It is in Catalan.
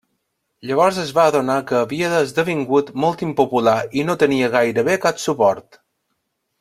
Llavors es va adonar que havia esdevingut molt impopular i no tenia gairebé cap suport.